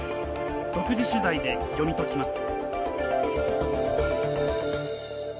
独自取材で読み解きます。